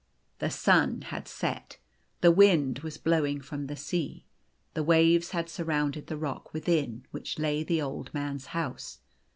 The sun had set. The wind was blowing from the sea. The waves had surrounded the rock within which lay the Old Man's house.